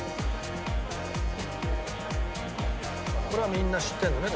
これはみんな知ってるのね？